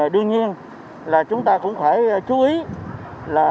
đương nhiên là chúng ta cũng phải chú ý là